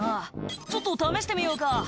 「ちょっと試してみようか」